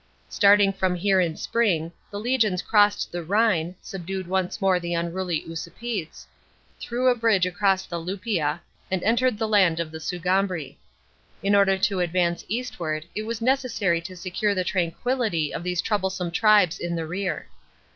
Starting from h< re in spring, the legions crossed the Rhine, subdued once more the unruly Usipetes, threw a bridge across the Lup. ia and entered the land of the Sugambri. In order to advance eastward it was necessary to secure the tranquillity of these troublesome tribes in the rear.